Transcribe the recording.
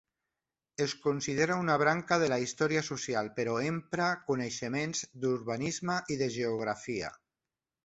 Es considera una branca de la història social però empra coneixements d'urbanisme i de geografia.